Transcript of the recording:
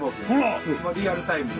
リアルタイムで。